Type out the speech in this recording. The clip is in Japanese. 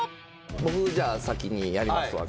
僕じゃあ先にやりますわ。